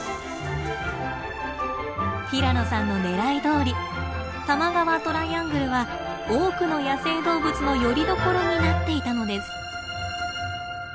平野さんの狙いどおり「多摩川トライアングル」は多くの野生動物のよりどころになっていたのです。